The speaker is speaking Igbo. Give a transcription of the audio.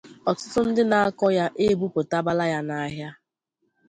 ọtụtụ ndị na-akọ ya ebupụtabala ya n’ahịa